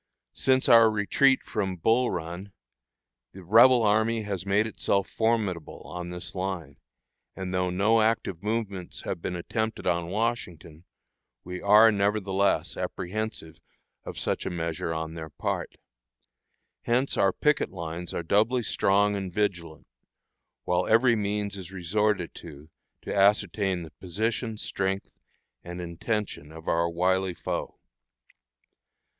Since our retreat from Bull Run, the Rebel army has made itself formidable on this line, and though no active movements have been attempted on Washington, we are, nevertheless, apprehensive of such a measure on their part. Hence our picket lines are doubly strong and vigilant, while every means is resorted to to ascertain the position, strength, and intention of our wily foe.